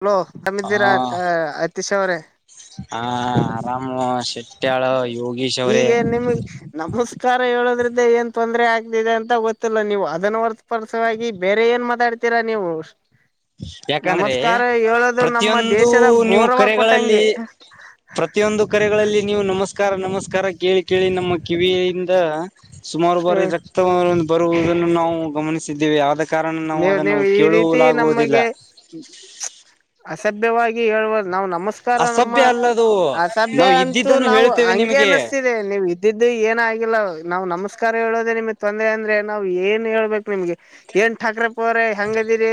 Hello ಹಾರಾಮ್ಮಿದ್ದೀರಾ [unintelligible] Atish ಅವ್ರೇ. ಹಾ ಆರಾಮ ಶೆಟ್ಟ್ಯಾಳ ಯೋಗೀಶ್ ಅವ್ರೇ. ಹೀಗೆ ನಿಮಗ್ ನಮಸ್ಕಾರ ಹೇಳದ್ರಿಂದ ಏನ್ ತೊಂದ್ರೆ ಆಗ್ತಿದೆ ಅಂತ ಗೊತ್ತಿಲ್ಲ ನೀವು ಅದನ್ನ ವತ್ರರ್ವಾಗಿ ಬೇರೆ ಏನ್ ಮಾತಾಡ್ತಿ. ತೀರ ನೀವು. ಯಾಕಂದ್ರೆ ನಮಸ್ಕಾರ ಹೇಳೋದು ನಮ್ಮ ಪ್ರತಿಯೊಂದು ದೇಶದ ನೀವು ಗೌರವ ಕರೆಗಳಲ್ಲಿ ಕೊಟ್ಟಂಗೆ ಪ್ರತಿಯೊಂದು ಕರೆಗಳಲ್ಲಿ ನೀವು ನಮಸ್ಕಾರ ನಮಸ್ಕಾರ ಕೇಳಿ ಕೇಳಿ ನಮ್ಮ ಕಿವಿಯಿಂದ ಸುಮಾರು ಬಾರಿ ರಕ್ತ ಬರುವುದನ್ನು ನಾವು ಗಮನಿಸಿದ್ದೇವಿ ಆದಕ್ಕೆ. ಕಾರಣ ನಾವು ನೀವ್ ಅದನ್ನು ನೀವ್ ಈ ರೀತಿ ಕೇಳುವಲಾಗುವುದು. ನಮಗೆ ಅಸಭ್ಯವಾಗಿ ಹೇಳುವ ನಾವು ನಮಸ್ [unintelligible] ನಮಸ್ಕಾರ ನಮ್ಮ ಅಸಭ್ಯ ಅಲ್ಲದು ಆ ಸಭ್ಯ ನಾವು ಅಂತೂ ಇದ್ದಿದ್ದನ್ನು ನಾವು ಹೇಳ್ತೇವೆ ಹಂಗೆ ನಿಮಗೆ ಅನಿಸ್ತೀವಿ. ಇದೆ ನೀವ್ ಇದ್ದಿದ್ದು ಏನ ಆಗಿಲ್ಲ ನಾವ್ ನಮಸ್ಕಾರ ಹೇಳೋದೆೇ ನಿಮಗ್ ತೊಂದ್ರೆ ಅಂದ್ರೆ ನಾವ್ ಏನ್ ಹೇಳ್ಬೇಕು ನಿಮ್ಗೆ. ಏನ್ [unintelligible] [unintelligible] ಹೆಂಗ್ಗದಿರಿ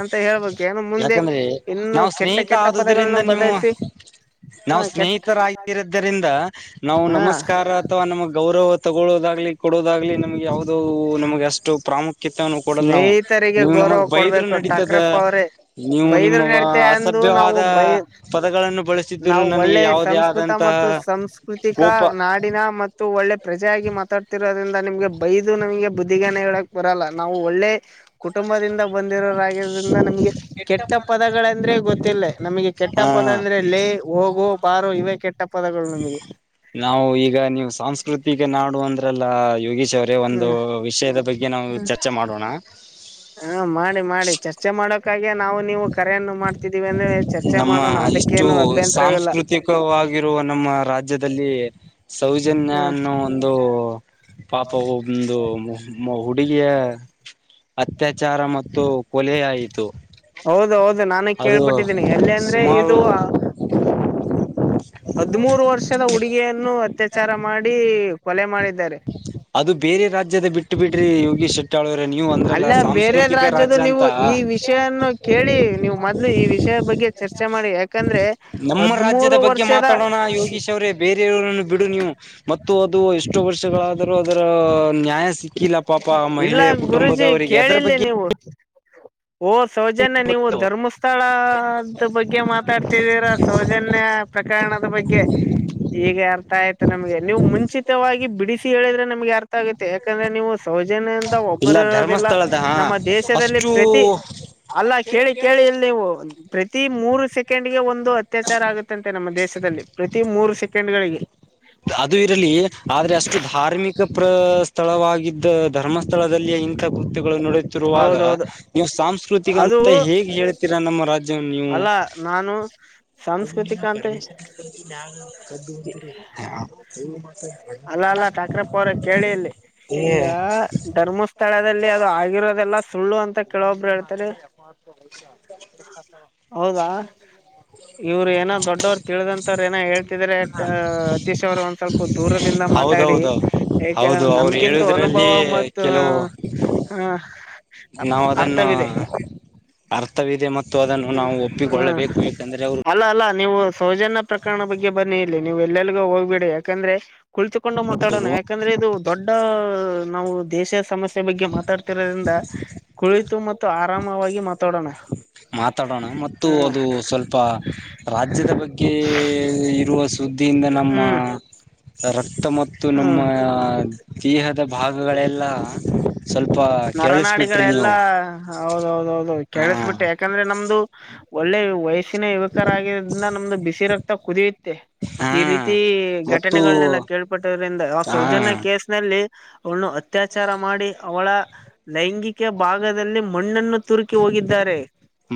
ಅಂತ ಹೇಳ್ಬೇಕು ಏನ ಮುಂದೆ ಯಾಕಂದ್ರೆ ಇನ್ನು ನಾವು ಕೆಟ್ಟ ಸ್ನೇಹಿತ ಕೆಟ್ಟ ಆದುದರಿಂದ ಪದಗಳನ್ನ ನೀವು [unintelligible] ಹ. ನಾವು ಕೆಟ್ಟ ಸ್ನೇಹಿತರಾಗಿರದ್ದರಿಂದ ನಾವು ಹಾ ನಮಸ್ಕಾರ ಅಥವಾ ನಮ್ಮ ಗೌರವ. ತಗೊಳ್ಳೋದಾಗ್ಲಿ ಕೊಡೋದಾಗ್ಲಿ ನಮ್ಗೆ ಯಾವದೋ ನಮ್ಗೆ ಅಷ್ಟು ಪ್ರಾಮುಖ್ಯತೆನ್ನು ಕೊಡಲ್ ನಾವು. ಸ್ನೇಹಿತರಿಗೆ ನೀವು ಗೌರವ ನಮಗ್ ಬೈದ್ರು ಕೊಡ್ಬೇಕು ನಡತದ. ಠಾಕ್ರಪ್ಪ ಅವ್ರೆ ನೀವು ಬೈದ್ರ ನಿಮ್ಮ ನಡತೆ ಅಂದು ನಾವು ಅಸಭ್ಯವಾದ ಬೈ ಪದಗಳನ್ನು ಬಳಸಿದ್ರು ನಾವು ನನಗೆ ಒಳ್ಳೆ ಯಾವುದೇ ಸಂಸ್ಕೃತ ಆದಂತಹ. ಮತ್ತು ಸಂಸ್ಕೃತಿಕ ಕೋಪ ನಾ. ನಾಡಿನ ಮತ್ತು ಒಳ್ಳೆ ಪ್ರಜೆಯಾಗಿ ಮಾತಾಡ್ತಿರೋದ್ರಿಂದ ನಿಮ್ಗೆ ಬೈದು ನಮಗೆ ಬುದ್ಧಿಗನ ಹೇಳಕ್ ಬರಲ್ಲ. ನಾವು ಒಳ್ಳೆ ಕುಟುಂಬದಿಂದ ಬಂದಿರೋರಗರೋದ್ರಿಂದ ನಮಗೆ. ಕೆಟ್ಟ ಪದಗಳಂದ್ರೆ ಗೊತ್ತಿಲ್ಲ ನಮಗೆ ಕೆಟ್ಟ ಹ ಪದ. ಅಂದ್ರೆ ಲೇ ಹೋಗೋ ಬಾರೋ ಇವ ಕೆಟ್ಟ ಪದಗಳು ನಮ್ಗೆ. ನಾವು ಈಗ ನೀವು ಸಾಂಸ್ಕೃತಿಕ ನಾಡು ಅಂದ್ರಲ್ಲ ಯೋಗೀಶ್ [unintelligible] [unintelligible] ಒಂದು ಹ್ಮ್ ವಿಷಯದ ಬಗ್ಗೆ ನಾವು ಚರ್ಚೆ ಮಾಡೋಣ. ಹಾ ಮಾಡಿ ಮಾಡಿ ಚರ್ಚೆ ಮಾಡೋಕ್ಕಾಗೆ ನಾವು ನೀವು ಕರೆಯನ್ನು ಮಾಡ್ತಿದ್ದೀವಿ ಅಂದ್ರೆ. ಚರ್ಚೆ ನಮ್ಮ ಮಾಡೋಣ ಇಷ್ಟು ಅದಕ್ಕೇನು ಅಭ್ಯಂತರವಿಲ್ಲ ಸಾಂಸ್ಕೃತಿಕವಾಗಿರುವ ನಮ್ಮ ರಾಜ್ಯದಲ್ಲಿ. ಸೌಜನ್ಯ ಹ್ಮ ಅನ್ನು ಒಂದು. ಪಾಪವು ಒಂದು ಮು ಮು ಹುಡುಗಿಯ ಅತ್ಯಾಚಾರ ಮತ್ತು... [unintelligible] ಹೌದ ಹೌದು ನಾನು ಅದು ಕೇಳ್ಬಿಟ್ಟಿದ್ದೀನಿ ಎಲ್ಲೇ ಅಂದ್ರೆ ಇದು ಸುಮಾರು ಆ ಹದಿ ಮೂರು ವರ್ಷದ ಹುಡುಗಿಯನ್ನು ಅತ್ಯಾಚಾರ ಮಾಡಿ ಕೊಲೆ ಮಾಡಿದ್ದಾರೆ. ಅದು ಬೇರೆ ರಾಜ್ಯದ ಬಿಟ್ಟು ಬಿಡ್ರಿ ಯೋಗಿ ಶೆಟ್ಟಾಳವರ ನೀವು ಅಂದ್ರಲ್ಲ ಅಲ್ಲ ಬೇರೆದ ಸಾಂಸ್ಕೃತಿಕ ರಾಜ್ಯದ ರಾಜ್ಯ ಅಂತ ನೀವು ಈ ವಿಷಯನ್ನು ಕೇಳಿ ನೀವು್ ಮೊದ್ಲು ಈ ವಿಷಯ. ಬಗ್ಗೆ ಚರ್ಚೆ ಮಾಡಿ ಯಾಕಂದ್ರೆ ನಮ್ಮ ರಾಜ್ಯದ ಹದಮೂರು ವರ್ಷ. ಬಗ್ಗೆ ಮಾತಾಡೋಣ ಯೋಗೀಶ್ ಅವರೇ. ಬೇರೆಯವರನ್ನು ಬಿಡು ನೀವು ಮತ್ತು ಅದು ಎಷ್ಟು ವರ್ಷಗಳಾದರೂ ಅದರ ನ್ಯಾಯ ಸಿ ಸಿಕ್ಕಿಲ್ಲ ಪಾಪ ಮಹಿಳೆಯ ಕುಟುಂಬದವರಿಗೆ ಅದರ ಬಗ್ಗೆ. ನೀವೋ. ಓಹ ಸೌಜನ್ಯ ನೀವು ಧರ್ಮಸ್ಥಳದ ಬಗ್ಗೆ ಮಾತಾಡ್ತಿದ್ದೀರಾ ಸೌಜನ್ಯ. ಪ್ರಕರಣದ ಬಗ್ಗೆ. ಹೀಗೆ ಅರ್ಥ ಆಯ್ತ ನಮ್ಗೆ ನೀವು ಮುಂಚಿತವಾಗಿ ಬಿಡಿಸಿ ಹೇಳಿದ್ರೆ ನಮ್ಗೆ ಅರ್ಥ ಆಗುತ್ತೆ ಯಾಕಂದ್ರೆ ನೀವು. ಸೌಜನ್ಯ ಅಂತ ಇಲ್ಲ ಒಬ್ಬರು ಇರೋದಿಲ್ಲ ಧರ್ಮಸ್ಥಳದ ಹಾ ನಮ್ಮ ದೇಶದಲ್ಲಿ. ಅಷ್ಟು ಪ್ರತಿ ಅಲ್ಲ ಕೇಳಿ ಕೇಳಿ ಇಲ್ಲಿ ನೀವು ಪ್ರತಿ ಮೂರು ಸೆಕೆಂಡ್ಗೆ ಒಂದ್. ಇಂದು ಅತ್ಯಾಚಾರ ಆಗುತ್ತಂತೆ ನಮ್ಮ ದೇಶದಲ್ಲಿ ಪ್ರತಿ ಮೂರು ಸೆಕೆಂಡ್ಗಳಿಗೆ. ಅದು ಇರಲಿ ಆದ್ರೆ ಅಷ್ಟು ಧಾರ್ಮಿಕ ಪ್ರ ಸ್ಥಳವಾಗಿದ್ದ ಧರ್ಮಸ್ಥಳದಲ್ಲಿ ಇ. ಗುತುಗಳು ನಡುತ್ತಿರುವಾಗ ಹೌದೌದು ನೀವು ಸಾಂಸ್ಕೃತಿಕ ಅದು ಅಂತ ಹೇಗೆ ಹೇಳ್ತೀರಾ ಅಲ್ಲ ನಾನು ಸಾಂಸ್ಕೃತಿಕ ಅಂತ [unintelligible] [unintelligible] ಅಲ್ಲ ಅಲ್ಲ ಠಾಕ್ರಪ್ಪ ಅವ್ರ ಕೇಳಿ ಇಲ್ಲಿ ಈಗ [unintelligible] ಧರ್ಮಸ್ಥಳದಲ್ಲಿ ಅದು ಆಗಿರೋದೆಲ್ಲ ಸುಳ್ಳು ಅಂತ ಕೆೇಳವೊಬ್ರು ಹೇಳ್ತಾರೆ. ಹೌದಾ. ಇವರು ಏನು ದೊಡ್ಡವರು ತಿಳಿದಂತರ ಏನೋ ಹೇಳ್ತಿದ್ರ ಹಾ ಅತೀಶ್ ಅವ್ರು ಒಂದ್ ಸ್ವ ದೂರದಿಂದ ಮಾತಾಡಿ ಹೌದೌದೌದು ಏಕೇನ ಹೌದು ಅವ್ರು ನಮ್ಕಿಂತೂ ಅನುಭವ ಹೇಳುದ್ರಲ್ಲಿ ಮತ್ತು. ಕೆಲವು ಹ ಅಪ್ಪ ನಾವು ಅದನ್ನು ಅರ್ಥವಿದೆ. ಅರ್ಥವಿದೆ ಮತ್ತು ಅದನ್ನು ಹ್ಮ ನಾವು ಹ್ಮ ಒಪ್ಪಿಕೊಳ್ಳಬೇಕು ಯಾಕಂದ್ರೆ ಅವರ ಅಲ್ಲ ಅಲ್ಲ ನೀವು ಸೌಜನ್ಯ ಪ್ರಕರಣ ಬಗ್ಗೆ ಬನ್ನಿ ಇಲ್ಲಿ ನೀವು ಎಲ್ಲೆಲ್ಗೂ ಹೋಗ್ಬಿಡಿ ಯಾಕಂದ್ರೆ ಕುಚಕು. ಕೊಂಡು ಮಾತಾಡೋಣ ಅವರು ಯಾಕಂದ್ರೆ ಇದು ದೊಡ್ಡ ನಾವು ದೇಶ ಸೇವೆ ಸಮಸ್ಯೆ ಬಗ್ಗೆ ಮಾತಾಡ್ತಿರೋದ್ರಿಂದ ಕುಳಿತು ಮತ್ತು ಆರಾಮವಾಗಿ ಮಾತಾಡೋಣ. ಮಾತಾಡೋಣ ಮತ್ತು ಹ್ಮ ಅದು ಸ್ವಲ್ಪ ರಾಜ್ಯದ ಬಗ್ಗೆ ಇರುವ ಬುದ್ದಿಯಿಂದ ನಮ್ಮ ಹ್ಮ್ ರಕ್ತ ಮತ್ತು ನಮ್ಮ ಹ್ಮ ದೇಹ ದ ಭಾಗಗಳೆಲ್ಲ ಸ್ವಲ್ಪ ಕೆೇಳಿಸಬಿಟ್ರಿ ನರನಾಡಿಗಳೆಲ್ಲಾ ನೀವು. ಹೌದೌದೌದು ಹಾ ಕೇಳಿಸ್ಬಿಟ್ಟೇ ಯಾಕಂದ್ರೆ ನಮ್ದು ಒಳ್ಳೆ ವಯಸ್ಸ. ಬಸಿನ ಯುವಕರ ಆಗಿದ್ರಿಂದ ನಮ್ದು ಬಿಸಿ ರಕ್ತ ಕುದಿಯುತ್ತೆ. ಹಾ ಈ ರೀತಿ ಮತ್ತು ಘಟನೆಗಳನೆೆಲ್ಲ ಕೇಳ್ಪಟ್ಟೋದ್ರಿಂದ ಆ ಹಾ ಸೌಜನ್ಯ ಕೇಸ್ ನಲ್ಲಿ. ಅವಳನು ಅತ್ಯಾಚಾರ ಮಾಡಿ ಅವಳ ಲೈಂಗಿಕ ಭಾಗದಲ್ಲಿ ಮಣ್ಣನ್ನು ತುರುಕಿ ಹೋಗಿದ್ದಾರೆ.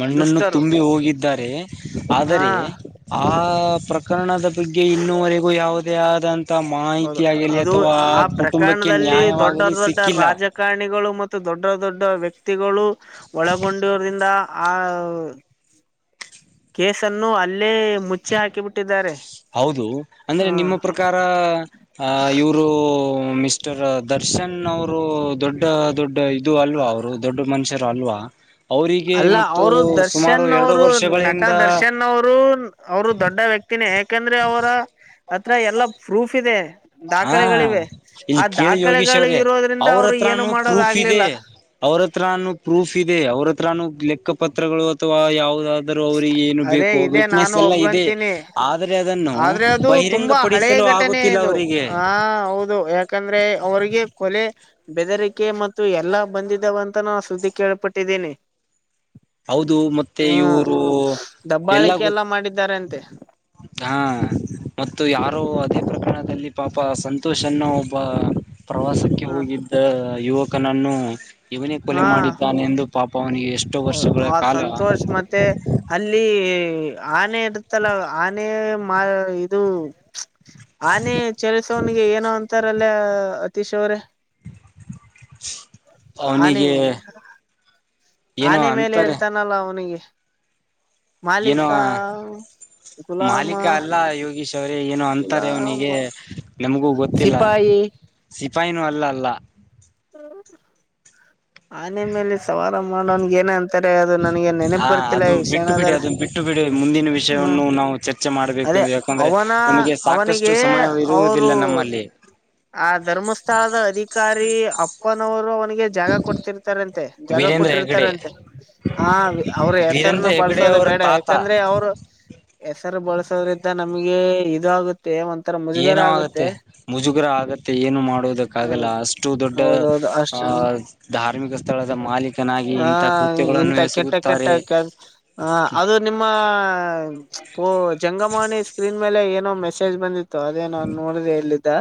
ಮಣ್ಣನ್ನು ದುಷ್ಟರು ತುಂಬಿ ಹೋಗಿದ್ದಾರೆ ಹಾ ಆದರೆ ಆ ಪ್ರಕರಣದ. ಬಗ್ಗೆ ಇನ್ನುವರೆಗೂ ಯಾವುದೇ ಅದಾಂಬಿಕ್ ಹೌದು ಮಾಹಿತಿ ಆಗಲಿ ಅದು ಅಥವಾ ಆ ಕುಟುಂಬಕ್ಕೆ ಪ್ರಕರಣದಲ್ಲಿ ದೊಡ್ಡ ನ್ಯಾಯವಾಗಲಿ ದೊಡ್ಡ ಸಿಕ್ಕಿಲ್ಲ. ರಾಜಕಾರಣಿಗಳು ಮತ್ತು ದೊಡ್ಡ ದೊಡ್ಡ ವ್ಯಕ್ತಿಗಳು ಒಳಗೊಂಡಿರ್ರಿಂದ ಆ ಕೇಸನ್ನು ಅಲ್ಲೇ ಮುಚ್ಚಿ ಹಾಕಿಬಿಟ್ಟಿದ್ದಾರೇ. ಹೌದು ಅಂದ್ರೆ ನಿಮ್ಮ ಪ್ರಕಾರ ಅ ಇವರು ಮಿಸ್ಟರ್ ದರ್ಶನ್ ಅವರು ದೊಡ್ಡ ದೊಡ್ಡ ಇದು ಅಲ್ವಾ ಅವರು ದೊಡ್ಡ ಮನುಷ್ಯರು ಅಲ್ವಾ. ಅವರಿಗೆ ಅಲ್ಲ ಮತ್ತು ಅವರು ಸುಮಾರು ದರ್ಶನ್ ಎರಡು ಅವರು ನಟ ವರ್ಷಗಳಿಂದ ದರ್ಶನ್ ಅವರು. ಅವರು ದೊಡ್ಡ ವ್ಯಕ್ತಿನೇ ಯಾಕಂದ್ರೆ ಅವರ ಅತ್ರ ಎಲ್ಲಾ ಪ್ರೂಫ್ ಇದೆ. ಹಾ ದಾಖಲೆಗಳಿವೆ ಆ ಇಲ್ಲಿ ಕೇಳಿ ಯೋಗೀಶ್ ದಾಖಲೆಗಳು ಅವ್ರೇ ಇರೋದ್ರಿಂದ ಅವ್ರು ಏನು ಮಾಡೋದ ಆಗ್ಲಿಲ್ಲ. ಅವರ ಹತ್ರಾನು ಪ್ರೂಫ್ ಇದೆ ಅವ್ರತ್ರನು ಲೆಕ್ಕ ಪತ್ರಗಳು ಅಥವಾ ಯಾವವುದದು. ದರು ಅವರಿಗೆ ಏನು ಅದೇ ಬೇಕು ಇದೇ ವಿಟ್ನೆಸ್ ನಾನು ಎಲ್ಲ ಇದೆ ಒಪ್ಕೊಂತೀನಿ ಆದ್ರೆ ಅದನ್ನು ಆದ್ರೆ ಅದು ಬಹಿ ತುಂಬಾ ಹಳೆ ಘಟನೆ ಇದು ಆ ಹೌದು ಯಾಕಂದ್ರೆ ಅವ್ರಿಗೆ ಕೊಲೆ. ಬೆದರಿಕೆ ಮತ್ತು ಎಲ್ಲ ಬಂದಿದ್ದಾವ ಅಂತ ನಾ ಸುದ್ದಿ ಕೇಳಪಟ್ಟಿದ್ದೀನಿ. ಹೌದು ಮತ್ತೆ ಇವರು. ದಬ್ಬಾಳಿಕೆ ಎಲ್ಲ ಮಾಡಿದ್ದಾರೆ ಅಂತೆ. ಹಾ ಮತ್ತು ಯಾರು ಹ್ಮ್ ಅದೇ ಪ್ರಕರಣದಲ್ಲಿ. ಪಾಪ ಸಂತೋಷನ್ನು ಒಬ್ಬ ಪ್ರವಾಸಕ್ಕೆ ಹ ಹೋಗಿದ್ದ ಯುವಕನನ್ನು. ಇವನೇ ಕೊಲೆ ಹಾ ಮಾಡಿದ್ದಾನೆ ಎಂದು ಪಾಪ ಅವನಿಗೆ ಎಷ್ಟೋ ವರ್ಷಗಳ ಆ ಕಾಲ. ಸಂತೋಷ್ ಮತ್ತೆ ಅಲ್ಲಿ ಆನೆ ಇರುತ್ತಲ್ಲ ಆನೆ ಮಾ ಇದು. ಆನೆ ಚಲಸವನಿಗೆ ಏನೋ ಅಂತಾರಲ್ಲ ಅತೀಶ್ ಅವ್ರೆ. ಆನೆ ಅವನಿಗೆ. ಏನೋ ಆನೆ ಮೇಲೆ ಅಂತಾರೆ ಇರ್ತಾನಲ್ಲ ಅವನಿಗೆ ಏನೋ ಮಾಲೀಕ. ಗುಲಾಮ ಮಾಲೀಕ ಅಲ್ಲ ಯೋಗೀಶ್ ಅವ್ರೆ ಏನು ಅಂತಾರೆ ಗುಲಾಮ ಅವನಿಗೆ ನಮ್ಗೂ ಗೊತ್ತಿಲ್ಲ. ಸಿಪಾಯಿ ಸಿಪಾಯಿನು ಅಲ್ಲ ಅಲ್ಲ. ಆನೆ ಮೇಲೆ ಸವಾರ ಮಾಡೋನಗ ಏನಂತ ತ್ತಾರೆ ಅದು ನನ್ಗೆ ನೆನಪ ಹಾ ಬರ್ತಿಲ್ಲ ಅದು ಈ ಬಿಟ್ಟು ಬಿಡಿ ಕ್ಷಣದಲ್ಲ ಅದನ್ನ ಬಿಟ್ಟು ಬಿಡಿ ಮುಂದಿನ ಹ್ಮ. ವಿಷಯವನ್ನು ನಾವು ಚರ್ಚೆ ಮಾಡಬೇಕು ಅದೇ ಯಾಕಂದ್ರೆ ಅವನ ನಮಗೆ ಸಾಕಷ್ಟು ಅವನಿಗೆ ಸಮಯ ಅವರು. ಇರುವುದಿಲ್ಲ ನಮ್ಮಲ್ಲಿ ಆ ಧರ್ಮಸ್ಥಳದ ಅಧಿಕಾರಿ ಅಪ್ಪನವರು ಅವನಿಗೆ ಜಾಗ ಕೊಡ್ತಿರ್ತ ಇರ್ತಾರಂತೆ ಜಾಗ ವೀರೇಂದ್ರ ಹೆಗಡೆ ಕೊಟ್ಟಿರ್ತಾರಂತೆ ಹ ಅವ್ರ ಹೆಸರನು ವೀರೇಂದ್ರ ಹೆಗಡೆ ಬಳ್ಸೋದ ಅವರ ಬೇಡ. ತಾತ ಯಾಕಂದ್ರೆ ಅವರು ಹೆಸರು ಬಳಸೋದ್ರಿಂದ ನಮ್ಗೆ ಇದು ಆಗು ತೇ ಒಂತರ್ ಏನೋ ಆಗತ್ತೆ ಮುಜುಗರ ಆಗತ್ತೆ ಏನು ಮಾಡೋದಕ್ಕ ಕಾಗಲ್ಲ ಹ್ಮ್ ಅಷ್ಟು ದೊಡ್ಡ ಹೌದೌದು ಅಷ್ಟ ಹ ಧಾರ್ಮಿಕ ಸ್ಥಳದ ಮಾಲೀಕನಾಗಿ ಆ ಇಂತ ಕೃತ್ಯಗಳನ್ನು ಇಂತ ಎಸ್ ಕೆಟ್ಟ ಕೆಟ್ಟ ಕೆ ಅದ್ ನಿಮ್ಮ ಜಂಗಮಾಣಿ ಸ್ಕ್ರೀನ್ ಮೇಲೆ ಏನೋ ಮೆಸೇಜ್ ಬಂದಿದೆ ಅದೇ ನಾನ್ ನೋಡಿದೆ ಇಲ್ಲಿದ್ದ್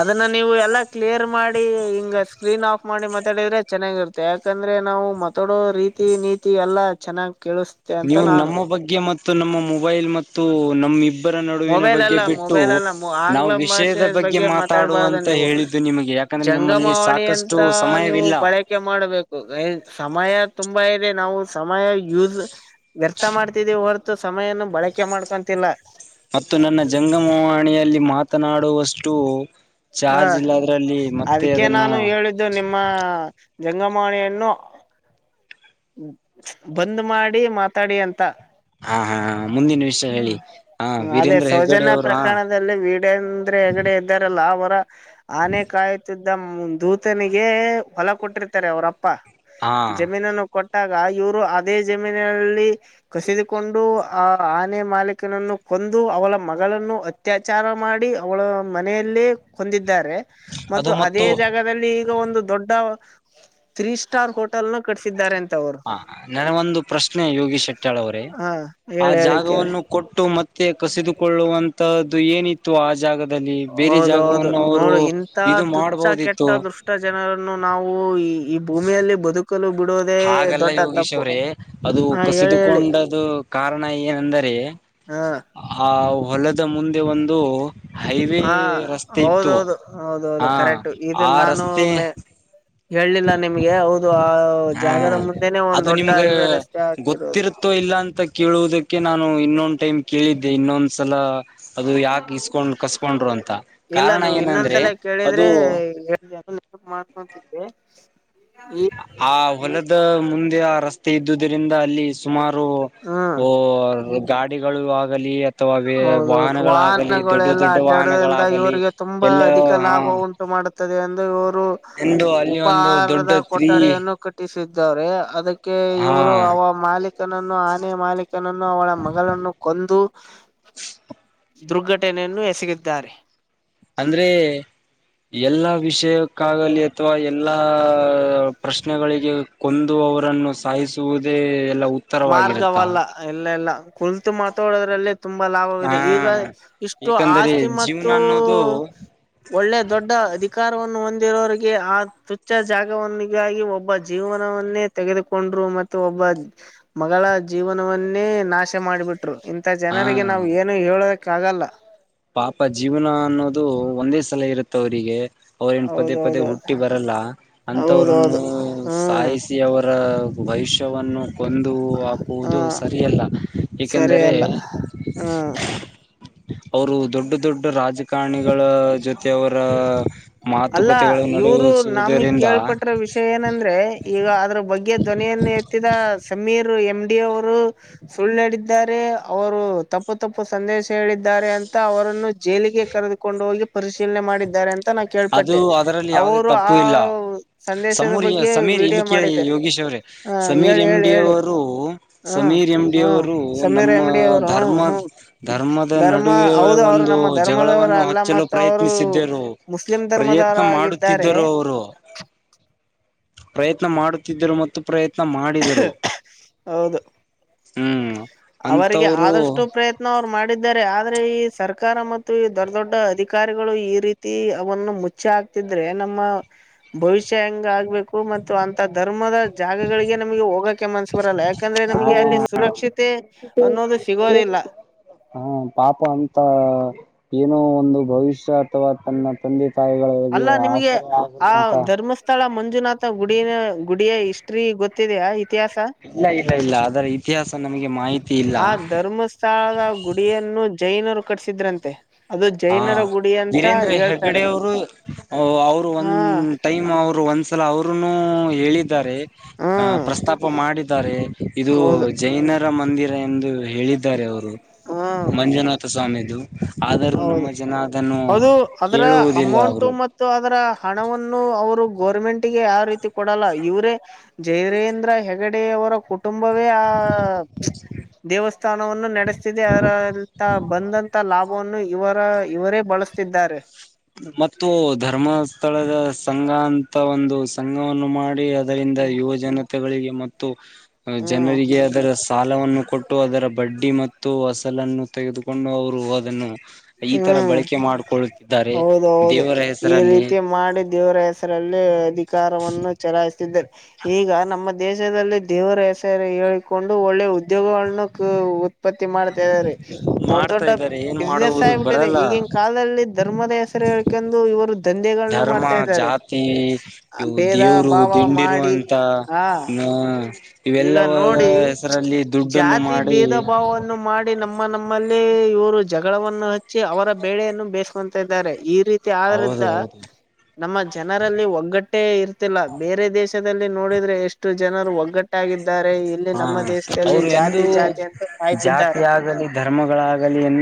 ಅದನ್ನ ನೀವು ಎಲ್ಲಾ ಕ್ಲಿಯರ್ ಮಾಡಿ ಹಿಂಗ ಸ್ಕ್ರೀನ್ ಆಫ್ ಮಾಡಿ ಮಾತಾಡಿದ್ರೆ ಚೆನ್ನಾಗಿರುತ್ತ ತೆ ಯಾಕಂದ್ರೆ ನಾವು ಮತಾಡೋ ರೀತಿ ನೀತಿ ಎಲ್ಲಾ ಚೆನ್ನಾಗ್ ಕೇಳಸ ನೀವು ನಮ್ಮ ಬಗ್ಗೆ ಮತ್ತು ನಮ್ಮ ಮೊಬೈಲ್ ಮತ್ತು ನಮ್ಮ ಇಬ್ ಇಬ್ಬರ ನಡುವಿನ ಮೊಬೈಲ್ ಬಗ್ಗೆ ಅಲ್ಲ ಬಿಟ್ಟು ಮೊಬೈಲ್ ಅಲ್ಲ ನಾವು ಆಂಗ್ಲ ಭಾಷೆ ವಿಷಯದ ಬಗ್ಗೆ ಮಾತಾಡುವ ಮಾತಾಡ್ಬಾರ್ದು ಅಂತ ನೀವು ಹೇಳಿದ್ದು ನಿಮಗೆ ಯಾ ಯಾಕಂದ್ರೆ ನಮ್ಮಲ್ಲಿ ಸಾಕಷ್ಟು ಸಮಯವಿಲ್ಲ ಯಾಕೆ ಮಾಡಬೇಕು ಸಮಯ ತುಂಬಾ ಇದೆ ನಾವು ಸಮಯ ಯೂಸ್ ವ್ಯರ್ಥ ಮಾಡ್ತಿದೀವಿ ಹೊರತು ಸಮಯನ ಬಳಕೆ ಮಾಡ್ಕೊಂತಿಲ್ಲ ಮತ್ತು ನನ್ನ ಜಂಗಮವಾಣಿಯಲ್ಲಿ ಮಾತನಾಡುವಷ್ಟು ಹ ಚಾರ್ಜ್ ಇಲ್ಲದ್ರಲ್ಲಿ ಮತ್ತೆ ಅದನ್ನು ಇದು ನಿಮ್ಮ ಜಂಗಮವಾಣಿಯನ್ನು ಬಂದ್ ಮಾಡಿ ಮಾತಾಡಿ ಅಂತ ಹಾ ಹಾ ಮುಂದಿನ ವಿಷಯ ಹೇಳಿ ಹ್ಮ್ ಹ ವೀರೇಂದ್ರ ಹೆಗ್ಗಡೆ ಅವರು ಹಾ ವೀಡಂದ್ರೆ ಹೆಗಡೆ ಇದ್ದಾರಲ್ಲಾ ಅವರ ಆನೆ ಕಾಯುತ್ತಿದ್ದ ದ್ ದೂತನಿಗೆ ಹೊಲ ಕೊಟ್ಟಿರ್ತಾರೆ ಅವರಪ್ಪ ಹಾ ಜಮೀನನ್ನು ಕೊಟ್ಟಾಗ ಇವ್ರು ಅದೇ ಜಮೀನಲ್ಲಿ ಕಸಿದುಕೊಂಡು ಆ ಆನೆ ಮಾಲೀಕನನ್ನು ಕೊಂದು ಅವಳ ಮಗಳನ್ನು ಅತ್ಯಾಚಾರ ಮಾಡಿ ಅವಳ ಮನೆಯಲ್ಲೇ ಕೊಂದಿದ್ದಾರೆ ಮತ್ತು ಅದೇ ಜಾಗದಲ್ಲಿ ಈಗ ಒಂದು ದೊಡ್ಡ ತ್ರೀ ಸ್ಟಾರ್ ಹೋಟೆಲನ ಕಟ್ಸಿದ್ದಾರೆ ಅಂತ ಅವರು ಹ ನನಗೊಂದು ಪ್ರಶ್ನೆ ಯೋಗಿ ಶೆಟ್ಟಾಳ್ ಅವರೇ ಹಾ ಆ ಹೇಳಿ ಹೇಳಿ ಕೇಳ ಜಾಗವನ್ನು ಕೊಟ್ಟು ಮತ್ತೆ ಕಸಿದುಕೊಳ್ಳುವಂತದ್ದು ಏನಿತ್ತು ಆಜಾಗ ದಲ್ಲಿ ಬೇರೆ ಹೌದೌದು ಜಾಗವನ್ನು ಅವರು ಇದು ಮಾಡಬಹುದಿತ್ತು ಇಂಣ ಜನರನ್ನು ನಾವು ಈ ಈ ಭೂಮಿಯಲ್ಲಿ ಬದುಕ ಕ್ಕಲು ಬಿಡೋದೆ ಹಾಗಲ್ಲ ಯೋಗೀಶ್ ಅವ್ರೆ ಅದು ಹಾ ಹೇಳಿ ಹೇಳಿ ಕಸಿದುಕೊಂಡದ ಕಾರಣ ಏನಂದರೆ ಹ್ ಆ ಹೊಲದ ಮುಂದೆ ಒಂದು ಹೈವೇ ಹಾ ರಸ್ತೆ ಇತ್ತು ಹೌದೌದು ಹೌದೌದು ಹಾ ಕರೆಕ್ಟ್ ಇದು ಆ ನಾನು ರಸ್ತೆ ಒಮ್ಮೆ. ಹೇಳಲಿಲ್ಲ ನಿಮ್ಗೆ ಹೌದು ಆ ಓ ಹಾ ಜಾಗದ ಮುಂದೆನೆ ಒಂದ್ ದೊಡ್ಡ ಹೈವೇ ರಸ್ತೆ ಆಗ್ತಿರೋದು. ತೂ ಇಲ್ಲಾಂತ ಕೇಳುವುದಕ್ಕೆ ನಾನು ಇನ್ನೊಂದ ಟೈಮ್ ಕೇಳಿದ್ದೆ ಇನ್ನೊಂದ್ಸಲ ಅದು ಯಾಕ ಇಸ್ಕೊಂಡ್ ಕಸ್ಕೊಂಡರು ಅಂತ ಇಲ್ಲ ಕಾರಣ ನೀವು ಏನಂದ್ರೆ ಇನ್ನೊಂದ್ಸಲ ಕೇಳಿದ್ರೆ ಅದು [unintelligible] ಮಾಡ್ಕೊಂತಿದೆ ಆ ಹೊಲದ ಮುಂದೆ ಆ ರಸ್ತೆ ಇದ್ದುದರಿಂದ ಅಲ್ಲಿ ಸುಮಾರು ಹ್ಮ್ ಓ ಗಾಡಿಗಳು ಆಗಲಿ ಅಥವಾ ಹೌದೌದು ವಾಹನಗಳಾಗಲಿ ವಾಹನಗಳು ದೊಡ್ಡ ಎಲ್ಲಾ ದೊಡ್ಡ ಅಡ್ಡಾಡದ್ರಿಂದ ವಾಹನಗಳಾಗಲಿ ಇವರಿಗೆ ತುಂಬಾ ಎಲ್ಲ ಅಧಿಕ ಹ ಲಾಭ ಉಂಟು ಉಂಟು ಮಾಡುತ್ತದೆ ಎಂದು ಇವರು ಎಂದು ಅಲ್ಲಿ ಒಂದು ದೊಡ್ಡ ಉಪಹಾರದ ತ್ರೀ ಕೊಠಡಿಯನ್ನು ಕಟ್ಟಿಸಿದ್ದಾರೆ ಅದಕ್ಕೆ ಹಾ ಇವರು ಅವ ಮಾಲಿಕ್ ಆತನನ್ನು ಆನೆಯ ಮಾಲೀಕನನ್ನು ಅವಳ ಮಗಳನ್ನು ಕೊಂದು ದುರ್ಘಟನೆಯನ್ನು ಎಸಗಿದ್ದಾರೆ ಅಂದ್ರೆ ಎಲ್ಲಾ ವಿಷಯಕ್ಕಾಗಲಿ ಅಥವಾ ಎಲ್ಲ ಪ್ರಶ್ನೆಗಳಿಗೆ ಕೊಂದು ಅವರನ್ನು ಸಾಯಿಸುವುದೇ ಎಲ್ಲ ಉತ್ತ ಮಾರ್ಗವಲ್ಲ ಇಲ್ಲಿಲ್ಲಾ ಕುಲ್ತು ಮಾತಾಡೋದ್ರಲ್ಲೆ ತುಂಬಾ ಹಾ ಲಾಭವಿದೆ ಈಗ ಇಷ್ಟು ಏಕಂದರೆ ಆಸ್ತಿ ಜೀವನ ಮತ್ತು.. ಅನ್ನೋದು ಒಳ್ಳೆ ದೊಡ್ಡ ಅಧಿಕಾರವನ್ನು ಹೊಂದಿರೋರಿಗೆ ಆ ತುಚ್ಚ ಜಾಗವನ್ನಿಗಾಗಿ ಒಬ್ಬ ಜೀವನವನ್ನೇ ತೆಗೆದುಕೊಂಡ್ರು ಮತ್ತೆ ಒಬ್ಬ ಮಗಳ ಜೀವನವನ್ನೇ ನಾಶ ಮಾಡಿಬಿಟ್ರು ಇಂಥ ಹಾ ಜನರಿಗೆ ನಾವು ಏನು ಹೇಳೋಕ್ಕಾಗಲ್ಲ ಪಾಪ ಜೀವನ ಅನ್ನೋದು ಒಂದೇ ಸಲ ಇರತ್ತ ಅವರಿಗೆ ಅವ್ರೇನ ಪದೇ ಪದೇ ಹೌದೌದೌದು ಹುಟ್ಟಿ ಬರಲ್ಲ. ಅಂತವ್ರನ್ನು ಹೌದೌದು ಹ್ಮ್ ಸಾಯಿಸಿ ಅವರ ಭವಿಷ್ಯವನ್ನು ಕೊಂದು ಹ್ಮ ಹಾಕುವುದು ಸರಿಯಲ್ಲ ಸರಿ ಏಕೆಂದರೆ ಅಲ್ಲ ಹ್ಮ್ ಅವರು ದೊಡ್ಡ ದೊಡ್ಡ ರಾಜಕಾರಣಿಗಳ ಜೊತೆ ಅವರ್ ಅಲ್ಲಾ ಇವ್ರು ನಮಗ್ ಕೇಳ್ಪಟ್ರಿ ವಿಷಯ ಏನಂದ್ರೆ ಈಗ ಅದ್ರ ಬಗ್ಗೆ ಧ್ವನಿಯನ್ನ ಎತ್ತಿದ ಸಮೀರ್ ಎಮ ಡಿ ಅವರು ಸುಳ್ಳ ಹೇಳಿದ್ದಾರೆ ಅವರು ತಪ್ಪು ತಪ್ಪು ಸಂದೇಶ ಹೇಳಿದ್ದಾರೆ ಅಂತ ಅವರನ್ನು ಜೈಲಿಗೆ ಕರೆದುಕೊಂಡು ಹೋಗಿ ಪರಿಶೀಲನೆ ಮಾಡಿದ್ದಾರೆ ಅಂತ ನಾ ಕೇಳ ಅದು ಅದರಲ್ಲಿ ಯಾವುದೇ ತಪ್ಪು ಇಲ್ಲ ಸಂದೇಶದ ಸಮೂರ್ ಬಗ್ಗೆ ಸಮೀರ್ ವಿಡಿಯೋ ಇಲ್ಲಿಕ್ಕೆಳಿ ಮಾಡಿದ್ದೆ ಯೋಗೀಶ್ ಅವ್ರೇ ಹ ಸಮೀರ್ ಹೇಳಿ ಹೇಳಿ ಹೇಳಿ ಎಮಡಿವರು ಹ್ಮ್ ಸಮೀರ್ ಹ್ಮ್ ಎಮಡಿವರು ಸಮೀರ್ ನಮ್ಮ ಎಮಡಿ ಅವರು ಹ್ಮ್ ಧರ್ಮ ಹ್ಮ್ ಧರ್ಮದ ಧರ್ಮ ನಡುವೆ ಹೌದು ಅವರು ಒಂದು ನಮ್ಮ ಧರ್ಮದವರು ಜಗಳವನ್ನು ಹಚ್ಚಲು ಪ್ರಯತ್ನಿಸಿದ್ದರು ಧರ್ಮದಾರ ಪ್ರಯತ್ನ ಆಗಿದ್ದಾರೆ ಮಾಡುತ್ತಿದ್ದರು ಅವರು ಪ್ರಯತ್ನ ಮಾಡುತ್ತಿದ್ದರು ಮತ್ತು ಪ್ರಯತ್ನ ಮಾಡಿದರು. ಹೌದು ಹ್ಮ್ ಅವರಿಗೆ ಅಂತವರು ಆದಷ್ಟು ಪ್ರಯತ್ನ್ ಅದನ್ನ್ ಅವ್ರ್ ಮಾಡಿದ್ದಾರೆ ಆದ್ರೆ ಈ ಸರ್ಕಾರ ಮತ್ತು ಈ ದೊಡ್ಡ ದೊಡ್ಡ ಅಧಿಕಾರಿಗಳು ಈ ರೀತಿ ದೇಹವನ್ನು ಮುಚ್ಚ ಹಾಕ್ತಿದ್ರೆ ನಮ್ಮ ಭವಿಷ್ಯ ಹೆಂಗ ಆಗ್ಬೇಕು ಮತ್ತು ಅಂತ ಧರ್ಮದ ಜಾಗಗಳಿಗೆ ನಮಗೆ ಹೋಗಕೆ ಮನ್ಸ ಬರಲ್ಲ ಯಾಕಂದ್ರೆ ನಮಗೆ ಆ ಅಲ್ಲಿ ಸುರಕ್ಷಿತೆ [unintelligible] ಹಾ ಪಾಪ ಅಂತ ಏನೋ ಒಂದು ಭವಿಷ್ಯ ಅಥವಾ ತನ್ನ ತಂದೆ ತಾಯಿಗಳಿಗೆ ಅಲ್ಲ ನಿಮಗೆ ಆಸರೆ ಆ ಆಗುವಂತ್ ಧರ್ಮಸ್ಥಳ ಮಂಜುನಾಥ ಗುಡಿಯ ಗುಡಿಯ ಹಿಸ್ಟ್ರಿ ಗೊತ್ತಿದೆಯಾ ಇತಿಹಾಸ ಇಲ್ಲ ಇಲ್ಲ ಇಲ್ಲ ಅದರ ಇತಿಹಾಸ ನಮಗೆ ಮಾಹಿತಿ ಇಲ್ಲ ಆ ಧರ್ಮಸ್ಥಳದ ಗುಡಿಯನ್ನು ಜೈನರು ಕಟ್ಸಿದ್ರಂತೆ. ಅದು ಹಾ ಜೈನರ ಗುಡಿ ಅಂತ ವೀರೇಂದ್ರ ಹೇಳ್ತಾರೆ ಹೆಗಡೆ ಅವರು ಅವರು ಹಾ ಒಂದ ಟೈಮ್ ಅವರು ಒಂದ್ಸಲ ಅವರುನು ಹೇಳಿದ್ದಾರೆ. ಹ್ಮ್ ಆ ಪ್ರಸ್ತಾಪ ಮಾಡಿದ್ದಾರೆ ಇದು ಹೌದು ಜೈನರ ಮಂದಿರ ಎಂದು ಹೇಳಿದ್ದಾರೆ ಅವರು ಹ್ಮ್ ಮಂಜುನಾಥ ಸ್ವಾಮಿದು ಆದ ಹೌದು ಅದು ಅದರ ಕೇಳುವುದಿಲ್ಲ ಅಮೌಂಟು ಅವರು ಮತ್ತ್ ಅದರ ಹಣವನ್ನು ಅವರು ಗೌರ್ಮೆಂಟ್ಗೆ ಯಾವ ರೀತಿ ಕೊಡಲ್ಲ ಇವರೇ ಜೈರೇಂದ್ರ ಹೆಗಡೆಯ ಅವರ ಕುಟುಂಬವೇ ಆ ದೇವಸ್ಥಾನವನ್ನು ನಡೆಸ್ತಿದೆ ಅರಂತ ಬಂದಂತ ಲಾಭ ಪೋನ್ನು ಇವರ ಇವರೇ ಬಳಸ್ತಿದ್ದಾರೆ. ಮತ್ತು ಧರ್ಮಸ್ಥಳದ ಸಂಘ ಅಂತ ಒಂದು ಸಂಘವನ್ನು ಮಾಡಿ ಅದ್ ಆದರಿಂದ ಯುವ ಜನತೆಗಳಿಗೆ ಮತ್ತು ಹ್ಮ್ ಜನರಿಗೆ ಅದರ ಸಾಲವನ್ನು ಕೊಟ್ಟು ಅದರ ಬಡ್ಡಿ ಮತ್ತು ಅಸಲನ್ನು ತೆಗೆದುಕೊಂಡು ಅವರು ಅದನ್ನು ಈ ತರ ಬಳಕೆ ಮಾಡಕೊಳ್ಳುತ್ತಿದ್ದಾರೆ. ಹೌದು ಈ ರೀತಿಯ ಮಾಡಿ ದೇವರ ಹೆಸರಲ್ಲಿ ಅಧಿಕಾರವನ್ನು ಚಲಾಯಿಸುತ್ತಿದ್ದರು ಈಗ ನಮ್ ಮ ದೇಶದಲ್ಲಿ ದೇವರ ಹೆಸರು ಹೇಳಿಕೊಂಡು ಒಳ್ಳೆ ಉದ್ಯೋಗವನ್ನು ಕ ಉ ತ್ಪತ್ತಿ ಮಾಡ್ತಾ ಇದಾರೆ ದೊಡ್ ಮಾಡ್ತಾ ದೊಡ್ಡ ಇದ್ದಾರೆ ಏನ್ ಬಿಸ್ನೆೆಸ್ ಮಾಡುವುದು ಬರಲ್ಲ ಕಾಲಲ್ಲಿ ಧರ್ಮದ ಹೆಸರು ಹೇಳ್ಕಂಡು ಇವರು ದಂಧೆಗಳನ್ನು ಧರ್ಮ ಮಾಡ್ತಾ ಇದ್ದಾರೆ ಜಾತಿ ಇವು ಭೇದ ದೇವ್ರು ಭಾವ ದಿಂಡಿರು ಮಾಡಿ ಅಂತ ಹಾ ನಾ ಈಗ ಇವೆಲ್ಲವದರ ನೋಡಿ ಹೆಸರಲ್ಲಿ ದುಡ್ಡನ್ನು ಮಾಡಿ ಡಿ ನಮ್ಮ ನಮ್ಮಲ್ಲಿ ಇವರು ಜಗಳವನ್ನು ಹಚ್ಚಿ ಅವರ ಬೇಳೆಯನ್ನು ಬೇಯ್ಸ್ ಕೊಂತಾ ಇದ್ದಾರೆ ಈ ರೀ ತಿ ಆದ್ರಿಂದ ಹೌದು ಹೌದು ನಮ್ಮ ಜನರಲ್ಲಿ ಒಗ್ಗಟ್ಟೇ ಇರ್ತಿಲ್ಲ, ಬೇರೆ ದೇಶದಲ್ಲಿ ನೋಡಿದ್ರೆ ಎಷ್ಟು ಜನರು ಒಗ್ಗಟ್ ಟ್ಟಾಗಿದ್ದಾರೆ ಇಲ್ಲಿ ಹಾ ನಮ್ಮ ದೇಶದಲ್ಲಿ ಅವರು ಎಂದೂ ಜಾತಿ ಜಾತಿ ಅಂತ ಸಾಯ್ತಿದ್ದಾರೆ. ಜಾತಿಯಾಗಲಿ ಧರ್ಮಗಳಾಗಲಿ ಎನ್